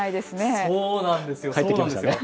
そうなんです。